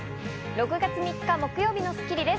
６月３日、木曜日の『スッキリ』です。